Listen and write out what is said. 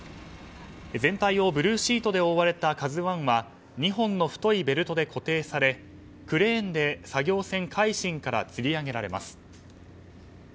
全体をブルーシートで覆われた「ＫＡＺＵ１」は２本の太いベルトで固定されクレーンで作業船「海進」からつり上げられます。